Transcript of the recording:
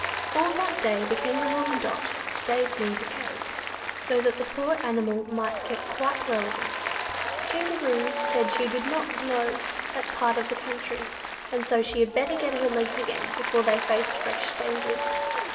All that day the Kangaroo and Dot stayed near the cave, so that the poor animal might get quite well again. The Kangaroo said she did not know that part of the country, and so she had better get her legs again before they faced fresh dangers.